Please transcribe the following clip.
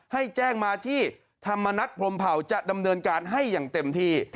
ให้แจ้งมาที่ธรรมนัฐพรมเผาจะดำเนินการให้อย่างเต็มที่